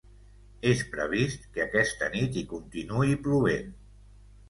És previst que aquesta nit hi continuï plovent.